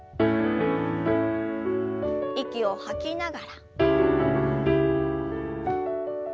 息を吐きながら。